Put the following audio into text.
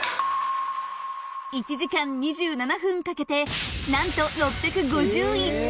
１時間２７分かけてなんとええっ。